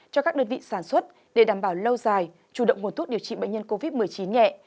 cho các đơn vị sản xuất để đảm bảo lâu dài chủ động nguồn thuốc điều trị bệnh nhân covid một mươi chín nhẹ